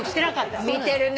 見てるね。